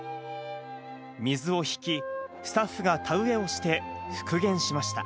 水を引き、スタッフが田植えをして、復元しました。